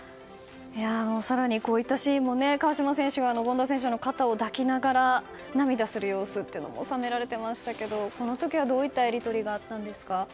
更にこういったシーンも川島選手が権田選手の肩を抱きながら涙する様子も収められていましたがこの時、どういったやり取りがあったんですか。